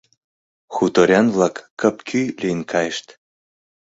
Хуторян-влак кып-ку лийын кайышт.